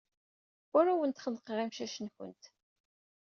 Ur awent-xennqeɣ imcac-nwent.